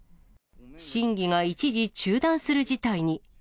審議が一時中断する事態に。